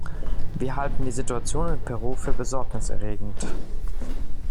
Wir halten die Situation in Peru für besorgniserregend.